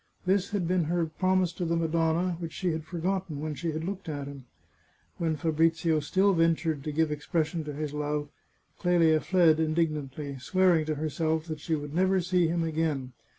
This had been her promise to the Madonna, which she had forgotten when she had looked at him. When Fabrizio still ventured to give expression to his love, Clelia fled indignantly, swearing to herself that she would never see him again.